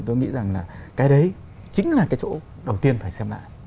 tôi nghĩ rằng là cái đấy chính là cái chỗ đầu tiên phải xem lại